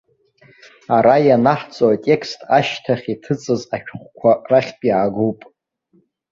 Ара ианаҳҵо атекст ашьҭахь иҭыҵыз ашәҟәқәа рахьтә иаагоуп.